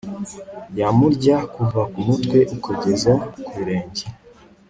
yamurya kuva ku mutwe kugeza ku birenge